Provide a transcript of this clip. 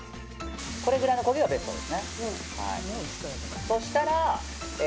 これくらいの焦げがベストです。